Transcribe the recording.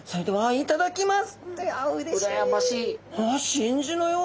いただきます。